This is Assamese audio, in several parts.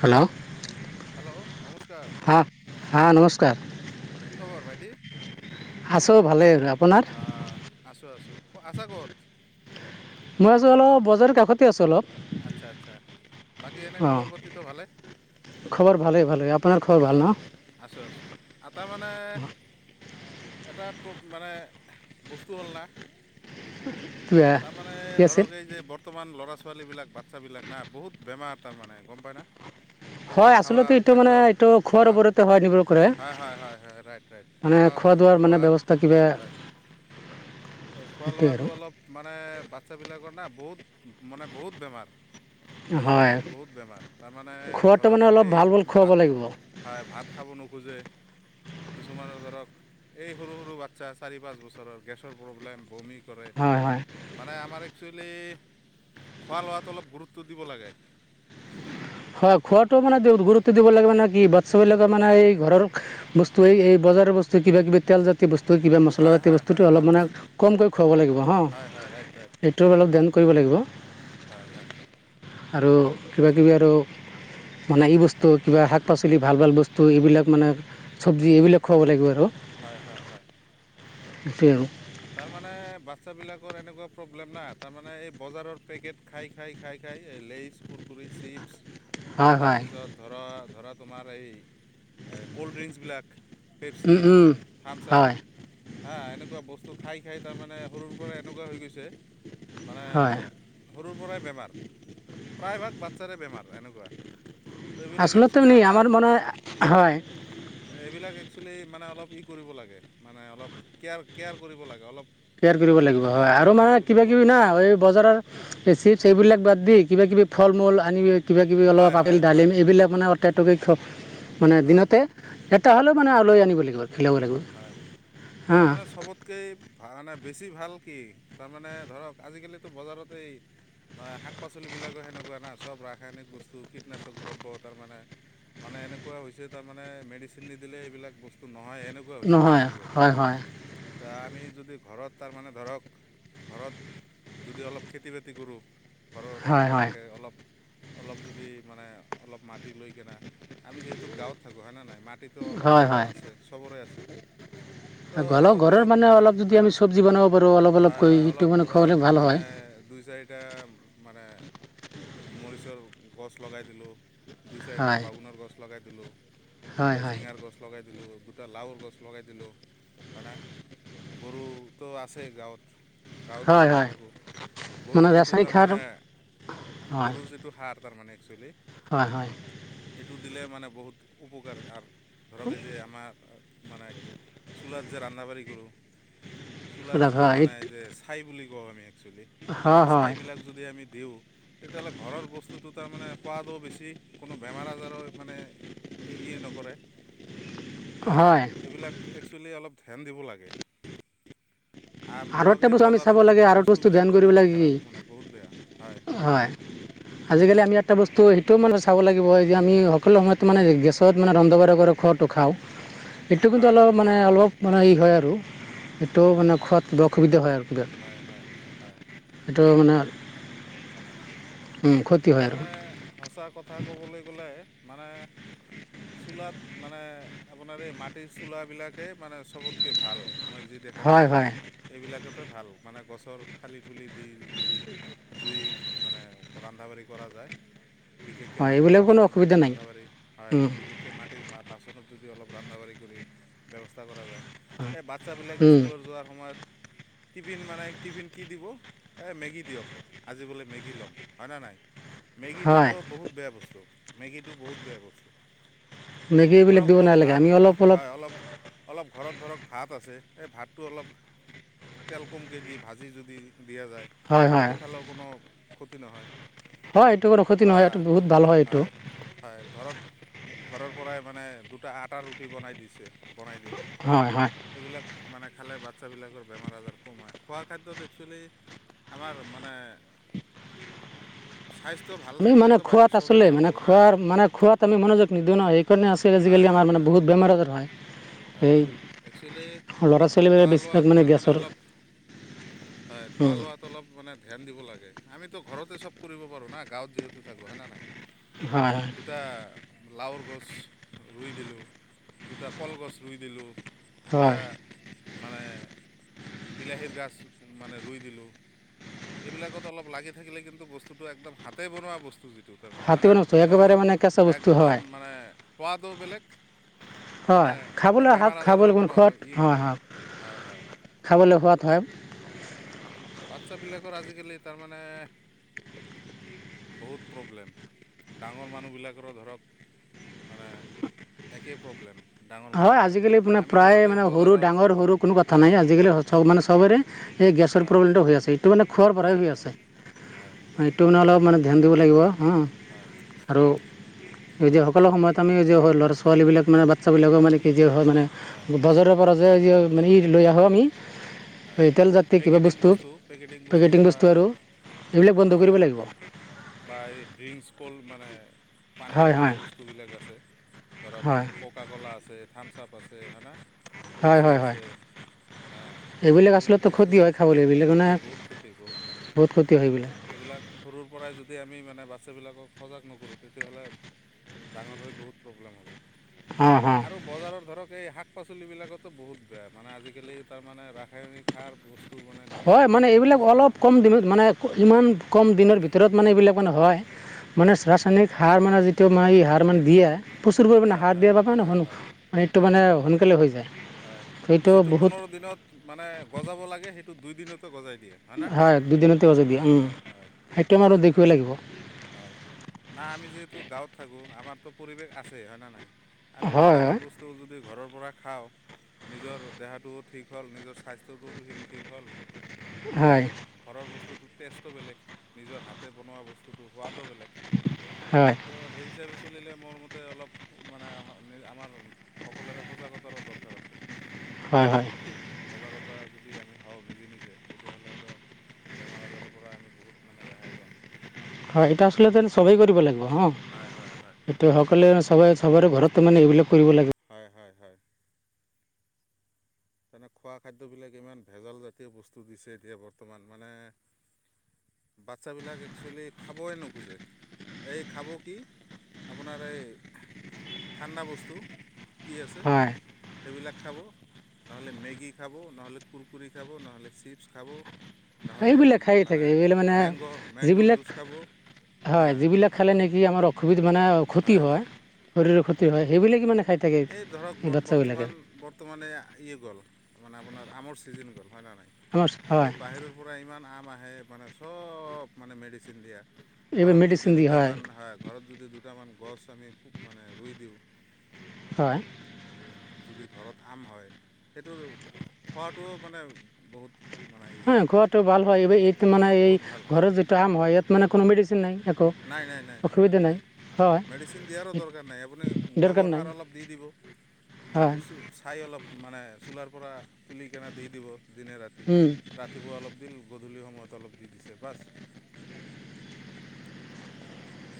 হেল্ল' হেল্ল' নমস্কাৰ! হা হা নমস্কাৰ কি খবৰ ভাইটি? আছোঁ ভালেই আৰু আপোনাৰ? আছোঁ আছোঁ আছা কত? মই আছো অলপ বজাৰৰ কাষতে আছো অলপ। আচছা আচ্ছা বাকী এনেক অঁ খবৰ পাতিটো ভালে। খবৰ ভালেই ভালেই আপোনাৰ খবৰ অ ভাল ন আছো আছো। তাৰমানে এটা প মানে বস্তু হ'ল ন। কিবা তাৰমানে কি আছিল ধৰক এই যে বৰ্তমান ল'ৰা ছোৱালী। ছোৱালী বিলাক বাচ্ছ বিলাক না বহুত বেমাৰ তাৰ মানে গম পাই না। এই হয় খাৱা আচলতে এইটো খাদ্য মানে এইটো। খোৱাৰ খাৱা ওপৰতে সহায় নিব কৰে হয় হয় হয় হয় ৰাইট ৰাইট মানে খোৱা খাও- দোৱাৰ মানে ব্যৱস্থা কিবা। হয় হয় এই খোৱা সেইটোৱে লোৱাটো আৰু অলপ মানে বাচ্ছাবিলাকৰ নে বহুত। মানে বহুত বেমাৰ। হয় আজিকালি বহুত বেমাৰ তাৰমানে খোৱাটো ধৰক মানে অলপ এই ভাল ভাল খুৱাব ভাত লাগিব খাই ভাত খাব নোখোজে। কিছুমানৰ ধৰক এই সৰু সৰু বাচ্ছা চাৰি পাঁচ বছৰৰ গেছ। প্ৰব্লেম বমিক। কৰে হয় হয় মানে আমাৰ। একচুৱেলি খোৱা লোৱটো অলপ গুৰুত্ব দিব লাগে। হয় খোৱাাতটো মানে গুৰুত্ব দিব লাগে মানে কি বাচ্ছাবিলাকে মানে এই ঘৰৰ বস্তু এই বজাৰৰ বস্তু কিবা কিবি তেল জাতীয় বস্তু। ত কিবা হয় মছলাাজাাতীয় হয় বস্তুটো হয় অলপ হয় মানে হয় কমকৈ খুৱাব লাগিব হ হয় হয় ৰাইট ৰাইট এইটো অলপ ধন কৰিব লাগিব। হয় হয় আৰু কিবা কিবি আৰু। মানে এই বস্তু কিবা শাক পাচলি ভাল ভাল বস্তু এইবিলাক মানে চব্জি এইবিলাক খুৱাব লাগিব আৰু। হয় হয় হয়। [unintelligible] তাৰমানে বাচ্ছাবিলাকৰ এনেকুৱা প্ৰব্লেম নাই তাৰমানে এই বজাৰৰ পেকেট খাই খাই খাই খাই লেচ কুৰকৰি চিপছ হয় হয় তাৰপিছত ধৰক ধৰা তোমাৰ এই ক'ল্ড ড্ৰিংকচবিলাক উম উম হয় হা এনেকুৱা বস্তু খাই খাই তাৰমানে সৰুৰ পৰা এনেকুৱা হৈ গৈছে মানে হয় সৰুৰ পৰাই বেমাৰ প্ৰায়ভাগ বাচ্ছাৰে বেমাৰ এনেকুৱা তো এইবিলাক আচলতে একচুৱেলি আমাৰ মন হয় একচোৱেলি মানে অলপ ই কৰিব লাগে মানে অলপ কেয়াৰ কেয়াৰ কৰিব লাগে অলপ কেয়াৰ কৰিব যত্ন লাগিব হয় সহকাৰে আৰু মানে বস্তুবিলাক কিবা ল'ব কিবি না লাগে এই বজাৰৰ চিপ এইবিলাক বাদ দি কিবা কিবি ফল মূল আনি কিবা কিবি অলপ হয় আপেল হয় হয় ডালিম এইবিলাক মানে [unintelligible] মানে হয় দিনতে এ তালৈ মানে আলৈ আনিব গ'ল হয়। তাৰমানে চবতকে তামানে বেছি ভাল কি? তাৰমানে ধৰক আজিকালিতো বজাৰতেই মানে শাক- পাচলিবিলাকো সেনেকুৱা না, চব ৰাসায়নিক বস্তু কীটনাশক দ্ৰব্য তাৰমানে, মানে এনেকুৱা হৈছে তাৰমানে মেডিচিন নিদিলে এইবিলাক বস্তু নহয়েই ত হৈছে নহয় পৰিৱেশ। হয় হয় তা আমি যদি ঘৰত তাৰমানে ধৰক ঘৰত যদি অলপ খেতি বাতি কৰোঁ ঘৰৰ হয় আশে হয় পাশে অলপ অলপ যদি মানে অলপ মাটি লৈ কেনে আমি যিহেতু গাঁৱত থাকো হয়নে নাই? মাটিতো অলপ হ'লেও আছে। চবৰে আছে। তো গল ঘৰৰ ধৰক মানে অলপ যদি আমি চবজি বনাব পাৰো হয়, হয়, অলপ ধৰক মানে দুই চাৰিটা মানে মৰিচৰ গছ লগাই দিলোঁ। দুই চাৰিটা হয় বাগুনৰ গছ লগাই দিলো। হয় দুটা হয় ঝিঙাৰ গছ লগাই দিলোঁ। দুটা লাৱৰ গছ লগাই দিলোঁ। হয় না? গৰু ত আছ ছে গাঁৱত। গাঁৱত হয় যিহেতু হয় থাকো, মানে গৰুৰ যিটো ৰাসায়নিক সাৰ তাৰমানে হয় গৰুৰ যিটো সাৰ তাৰমানে চলে। হয়, হয়। টো দিলে মানে বহুত উপকাৰ আৰ। ধৰক এই যে আমাৰ মানে চুলাত যে ৰান্ধা-বাঢ়ি কৰোঁ। তুলাৰ সুলভ যিটো হয় মানে এইটো যে ছাই বুলি গ'হমীয়া। একচুলি হয় এই হয় ছাইবিলাক যদি আমি দিওঁ, তেতিয়াহ'লে ঘৰৰ বস্তুটো তাৰমানে সোৱাদো বেছি কোনো বেমাৰ আজাৰৰ মানে ই নকৰে। হঁ, হয় এইবিলাক একচুৱেলি অলপ ধ্যান দিব লাগে। আৰু ধৰক এটা এই বস্তু আমি চাব বজাৰৰ লাগে আৰু বস্তু ধ্যান বস্তুবিলাকতো কৰিব বহুত লাগে কি? খাৰাপ মানে বহুত বেয়া হয়, আজিকালি আমি এটা বস্তু টোও মানে চাব লাগিব যে আমি সকলো সময়ত মানে গেছত মানে ৰন্ধ বঢ়া কৰা খোৱাটো খাওঁ এইটো কিন্তু হয় অলপ হয় হয় মানে হয় অলপ মানে ই হয় আৰু। টো হয় মানে হয় খোৱাত কিবা অসুবিধা হয় আৰু কিবা। হয় হয় হয় সেইটো মানে হয়। ক্ষতি হয় আৰু তাৰমানে সঁচা কথা কবলৈ গ'লে মানে চোলাত মানে আপোনাৰ এই মাটিৰ চোলাবিলাকেই মানে চবতকে ভাল। মই যি দেখা হয় পাইছোঁ হয় এইবিলাকেত ত ভাল মানে গছৰ থালি থুলি দি যদি জুই মানে, ৰান্ধা বাঢ়ি কৰা যায়। বিশেষকে হয় মাটিৰ এইবিলাক কোনো বাচনত যদি অসুবিধা নাই ৰান্ধা বাঢ়ি হয়। উম, বিশেষকে মাটিৰ বাচনত যদি অলপ- ৰান্ধা বাঢ়ি কৰি ব্যৱস্থা কৰা যায়্ এ বাচ্ছা বিলাক উম, স্কুলৰ যোৱাৰ সময়ত- টিফিন মানে টিফিন কি দিব, এ মেগী দিয়ক, আজি বোলে মেগী ল'ম। হয় না নাই? মেগীটোতো হয় বহুত বেয়া বস্তু। মেগীটো বহুত বেয়া বস্তু। মেগী এইবিলাক ধৰক দিব অলপ নালাগে ভাত আমি অলপ হয় অলপ- অলপ ঘৰত ধৰক ভাত আছে সেই ভাতটো অলপ তেল কমকৈ দি ভাজি যদি দিয়া যায় হয় হয় সেইটো খালেও কোনো ক্ষতি নহয়। হয় এইটো কোনো ক্ষতি বা নহয় এইটো বহুত ভাল এইটো হয় হয় ধৰক ঘৰৰ পৰাই মানে দুটা আটা ৰুটি বনাই দিছে। বনাই দিল হয় হয় সেইবিলাক মানে খালে বাচ্ছাবিলাকৰ বেমাৰ আজাৰ কম হয় খোৱা খাদ্যত একচুৱেলি আমাৰ মানে স্বাস্থ্য ভাল আমি মানে থাকিলেতো খোৱা বাকী চবেই পাচলিত ভাল মানে হ'ব না খোৱাৰ মানে খোৱাত আমি মনোযোগ নিদিওঁ ন সেইকাৰণে আছিল হয় আজিকালি আমাৰ হয় মানে হয় বহুত বেমাৰ আজাৰ হয় হয় এই হয় একচুৱেলি ল'ৰা ছোৱালীবিলাক খোৱা বেছিভাগ লোৱাত মানে তাৰমানে গেছৰ অলপ হয় খোৱা উম, লোৱাত অলপ মানে ধ্যান দিব লাগে আমিতো ঘৰতে চব কৰিব পাৰো না গাঁৱত যিহেতু থাকো হয় না হয় হয় দুটা লাওৰ গছ ৰুই দিলোঁ দুটা কল গছ ৰুই দিলোঁ দুটা হয় মানে বিলাহীৰ গাছ মানে ৰুই দিলোঁ সেইবিলাকত অলপ লাগি থাকিলে কিন্তু বস্তুটো একদম হাতে বনোৱা বস্তু যিটো। মানে হয় হাতী ন বস্তু কোনো একেবাৰে মানে কেঁচা বস্তু একদম হয় মানে সোৱাদ ও বেলেগ মানে হয় কোনো খাবলৈ শাক বেমাৰ আজাৰৰ খাবলৈ কোনো সোৱাদ ই হয় নকৰে হয় হয় হয় খাবলৈ সোৱাদ হয়। বাচ্ছাবিলাকৰ আজিকালি তাৰমানে বহুত প্ৰব্লেম ডাঙৰ মানুহবিলাকৰো ধৰক মানে একেই প্ৰব্লেম ডাঙৰ হয় মানুহবিলাকৰো আজিকালি মানে আমি প্ৰায় ধৰক এই মানে সৰু বজাৰৰ ডাঙৰ সৰু কোনো কথা নাই হয় আজিকালি মানে হয় চবৰে এই গেছৰ হয় প্ৰব্লেমটো হৈ আছে এইটো মানে খোৱাৰ পৰাই হয় হৈ হয় আছে হয় এইটো মানে অলপ অলপ মানে ধ্যান দিব লাগিব হুম হয় আৰু এই যে সকলো সময়ত আমি যে হয় ল'ৰা ছোৱালী বিলাক মানে বাট চাব লাগিব মানে কি কি হয় মানে হয় বজাৰৰ পৰা যে এই যে মানে ই লৈ আহো আমি হয় এই তেলজাতীয় কিবা পেকেটিং বস্তু পেকেটিং বস্তু বা এইবিলাক বন্ধ কৰিব হয় লাগিব বা এই ড্ৰিংকচ ক'ল মানে পানী হয় জাতীয় হয় বস্তুবিলাক আছে ধৰক হয় ককা কলা আছে থাম [unintelligible] হয় পেপচি হয় হয় আছে হা এইবিলাক আচলতে বস্তু ক্ষতি হয় খাবলৈ এইবিলাক মানে ক্ষতি বহুত ক্ষতি বহুত ক্ষতি বহুত ক্ষতি হয় এইবিলাক সৰুৰ পৰাই যদি আমি মানে বাচ্চা বিলাকক সজাগ নকৰো তেতিয়া হ'লে ডাঙৰ হৈ বহুত প্ৰব্লেম হ'ব অঁ অঁ আৰু বজাৰৰ ধৰক এই শাক পাচলি বিলাকতো বহুত বেয়া মানে আজিকালি তাৰ মানে ৰা ৰাসায়নিক সাৰ বস্ত হয় মানে এইবিলাক অলপ কম দিনত মানে ইমান কম দিনৰ ভিতৰত মানে এইবিলাক মানে হয় মানে ৰাসায়নিক সাৰ মানে যিটো আমাৰ এই সাৰ মানে দিয়ে প্ৰচুৰ পৰিমানে সাৰ দিয়া বাবে হয় ন মানে সেইটো হয় মানে সোনকালে হৈ যায় হয় সেইটো যিটো বহুত পোন্ধৰ দিনত মানে বজাব লাগে সেইটো দুইদিনত হয় দুদিনতে গজি দিয়ে উম হয় হয় সেইটো মানে খিব লাগিব হয়, না আমি যিহেতু গাঁৱত থাকো আমাৰতো পৰিৱেশ আছে হয় না নাই আমি হয় দুটামান বস্তু যদি ঘৰৰ পৰা খাও নিজৰ দেহাটোও ঠিক হ'ল নিজৰ স্বাস্থ্যটোও ঠি ঠিক হ'ল হয় মানে হয় ঘৰৰ বস্তুটো টেষ্টটো বেলেগ নিজৰ হাতে বনোৱা বস্ত সোৱাদ টো বেলেগ হয় ত সেই হিচাপে চলিলে মোৰ মতে অলপ মানে আমাৰ সকলোৰে সজাগতাৰো দৰকাৰ আছে হয় হয় সজাগতা যদি আমি হওঁ নিজে নিজে তেতিয়া হ'লেতো বেমাৰ আজাৰৰ পৰা আমি বহুত মানে ৰেহাই পাম হয় এইটো আচলতেন চবেই কৰিব লাগিব অ হয় হয় হয় হয় সেটো সকলোৱে চবে চবৰে ঘৰত তাৰ মানে এইবিলাক কৰিব লাগে হয় হয় তামানে খোৱা খাদ্যবিলাক ইমান ভেজালজাতীয় বস্তু দিছে এতিয়া বৰ্তমান মানে বাচ্ছাবিলাক একচুৱেলি খাবই নোখোজে এই খাব কি আপোনাৰ এই ঠাণ্ডা বস্তু কি আছে হয় সেইবিলাক খাব নহ'লে মেগী খাব নহ'লে কুৰকুৰৰি খাব নহ'লে চিপছ খাব নহ'লে এইবিলাক খায়ে থাকে মানে এইবিলাক মানে মেংগ' মেংগ' যিবিলাক জুচ খাব হা হয় যিবিলাক খালে নেকি আমাৰ অসুবিধা মানে ক্ষতি হয় শৰীৰ ক্ষতি হয় সেইবিলাকেই মানে খাই থাকে এই ধৰকৰ বৰ্তমান বৰ্তমানে ইয়ে গ'ল মানে আপোনাৰ আমৰ চিজন গ'ল হয় ন নাই আমাৰ হয় এই বাহিৰৰ পৰা ইমান আম আহে মানে চব মানে মেডিচিন দিয়া এইবোৰ ঘৰত মেডিচিন যদি দি দুটাামান হয় ঘৰত যদি দুটামান আমি মানে ৰুই দিওঁ হয় যদি ঘৰত আম হয় সেইটোৰ খোৱাটোও মানে বহুত মানে ই হা খোৱাটোও ভাল হয়। এই-এই মানে এই বহুত ভাল হয় ঘৰৰ যিটো আম হয় ইয়াত মানে কোনো মেডিচিন নাই। একো নাই, নাই, নাই, নাই, অসুবিধা নাই। হয় মেডিচিন দিয়াৰো দৰকাৰ নাই। আপুনি দৰকাৰ গোবৰ নাই সাৰ অলপ দি দিব। হয় মাটিৰ চাই অলপ মানে তোলাৰ পৰা তুলি কেনে দি দিব। দিনে ৰাতি। উম, ৰাতিপুৱা অলপ দিল গধূলি সময়ত অলপ দি দিছে বাচ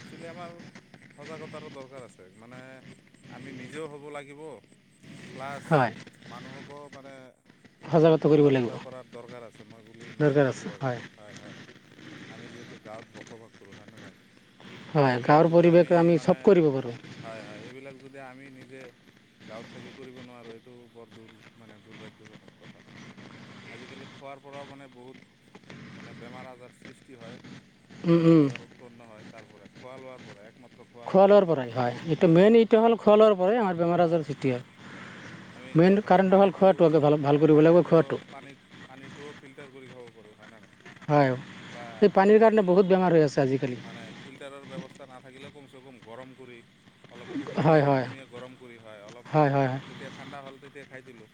একচুৱেলি আমাৰ সজাগতাৰো দৰকাৰ আছে। মানে আমি নিজেও হ'ব লাগিব প্লাছ হয় মানুহক আকৌ মানে কৰিব লাগিব সজাগতা কৰাৰ দৰকাৰ আছে মই বুলি মই দৰকাৰ আছে ভাবোঁ আৰু। কি হয়, হয়। আমি যিহেতু গাঁৱত বসবাস কৰো হয় নে নহয়? হয় এইবিলাক গাঁৱৰ যদি পৰিৱেশ আমি মানে চব কৰিব পাৰোঁ হয়, হয় এইবিলাক যদি আমি নিজে গাঁৱত থাকি কৰিব নোৱাৰোঁ। এইটো বৰ মানে দুৰ্ভাগ্যজনক কথা। আজিকালি খোৱাৰ পৰাও মানে বহুত মানে বেমাৰ-আজাৰ সৃষ্টি হয়। উম, উম, বেমাৰ-আজাৰ উৎপন্ন হয়। তাৰপৰা খোৱা-লোৱা বোৰে খোৱা লোৱাৰ পৰাই, হয়। এইটো মেইন হয় এইটো হ'ল খোৱা লোৱাৰ পৰাই আমাৰ বেমাৰ আজাৰ হয় সৃষ্টি আমি হয়। মেইন ঘৰত ধৰক কাৰণটো হ'ল পানীটো খোৱাটো হলে ভাল, ভাল হয় কৰিব লাগিব পানীটোও খোৱাটো। গৰু বান্ধা নাই। হয়, বা এই পানীৰ কাৰণে বহুত বেমাৰ হৈ আছে আজিকালি। মানে ফিল্টাৰৰ ব্যৱস্থা নাথাকিলেও কমচে কম গৰম কৰি অলপ হয় হয় কুহুমীয়া-কুহুমীয়া গৰম কৰি হয়, অলপ হয় হয় যেতিয়া ঠাণ্ডা হ'ল তেতিয়া খাই দিলোঁ।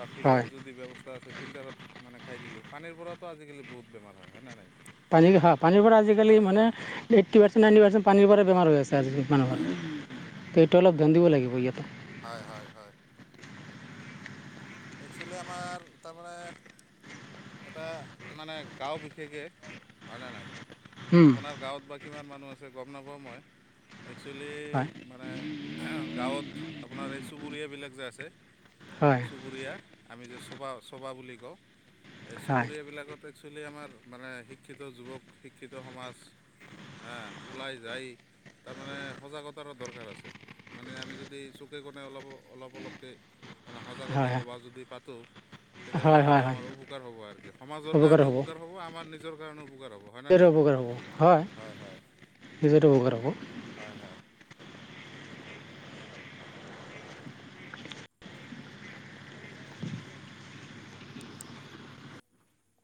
বা হয় ফিল্টাৰ যদি ব্যৱস্থ কিবা আছে ফিল্টাৰত মানে খাই দিলোঁ। পানীৰ পৰাতো আজি-কালি বহুত বোৰ হয়। হয় নে নাই? পানী হয় পানীৰ পৰা আজিকালি হয় মানে হয় এইটটি পাৰ্চেণ্ট এনিমেলছ চোন পানীৰ পৰাই বেমাৰ হৈ আছে। [unintelligible] মানুহৰ হয় [unintelligible] তলত গান্দিব লাগিব ইয়াতে। হয় হয় হয় একচুৱেলি আমাৰ তাৰমানে এটা মানে গাঁও বিশেষে হয়নে নাই? হুম, আপোনাৰ গাঁৱত বা কিমান মানুহ আ যে গম নাপাওঁ মই। একচুৱেলি হয় মানে গাঁৱত আপোনাৰ এই চুবুৰীয়াবিলাক যে আছে হয় চুবুৰীয়া আমি যে চোবা চোবা বুলি কওঁ এই হয় চুবুৰীয়া বিলাকত একচুৱেলি আমাৰ মানে শিক্ষিত যুৱক শিক্ষিত সমাজ হ ওলাই যাই তাৰমানে সজাগতাৰো দৰকাৰ আছে মানে আমি যদি চকে কোণে অলপ অলপ অলপকৈ মানে কবাত হয় সভা যদি পাত তো' তেতিয়াহ'লে হয় হয়তো হয় হয় আমাৰ উপকাৰ হব আৰুকি সমাজৰ কাৰণেও উপকাৰ হব আমাৰ নিজ নিজ কাৰণে উপকাৰ হ'ব হয়নে নিজৰ নাই উপকাৰ হ'ব হয় নিজৰে উপকাৰ হয় হয় হ'ব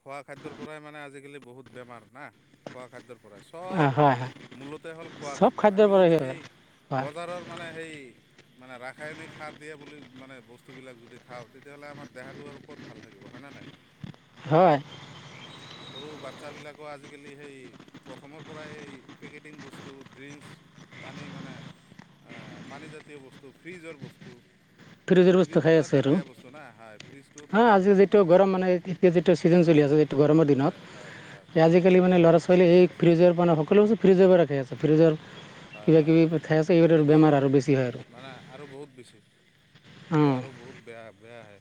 খোৱা খাদ্যৰ পৰাই মানে আজিকালি বহুত বেমাৰ না খোৱা খাদ্যৰ কৰে চব হয় হয় মূলতে হ'ল খোৱা চব খাদ্য খাদ্যৰ আমি পৰাই যদি হয় সেই হয় বজাৰৰ মানে সেই মানে ৰাসায়নিক সাৰ দিয়ে বুলি মানে বস্তুবিলাক যদি খাওঁ তেতিয়াহ'লে আমাৰ দেহাটো আৰু ক'ত ভাল থাকিব হয়নে নাই হয় সৰু বাচ্ছাবিলাকো আজিকালি সেই প্ৰথমৰ পৰাই এই পেকেটিং বস্তু ড্ৰিংচ পানী মানে পানীজাতীয় বস্তু ফ্ৰীজৰ বস্তু ফ্ৰিজৰ বস্তু খাই ফ্ৰিজতো আছে এটা আৰু বেয়া বস্তু না হয় ফ্ৰিজটোওতো হা ভাল আজি বস্তু যিটো নহয় গৰম সিমান মানে এতিয়া যিটো চিজন চলি হয় আছে যি গৰম অ হয় হয় হয় দিনত আজি কালি মানে হয় লৰা ছোৱালী এই ফ্ৰিজৰ পৰা সকলোবোৰ ফ্ৰিজৰ পৰা খাই আছে ফ্ৰিজৰ হয় কিবা হয় হয় কিবি ঠাইছে এইবোৰ সেইটোতো বেমাৰ আৰু বেছি হয় আৰু মানে আৰু বহুত বেছি সেইটো অঁ আৰু বহুত বেয়া বেয়া হে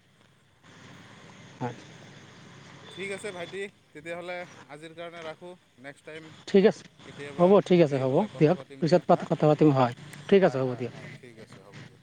হয় [unintelligible] ঠিক আছে ভাইটি তেতিয়াহ'লে আজিৰ কাৰণে ৰাখো নেক্স ঠিক আছে হ'ব ঠিক আছে হ'ব হ'লে কথা দিয়ক পাতিম পিছত দিয়া হা কথা পাতিম হয় ঠিক আছে হয় হ'ব হয় দিয়ক হয় ঠিক আছে হ'ব দিয়া